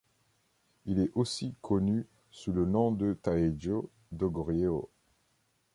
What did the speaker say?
Il est aussi connu sous le nom de Taejo de Goryeo.